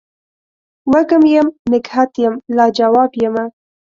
وږم یم نګهت یم لا جواب یمه